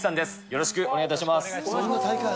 よろしくお願いします。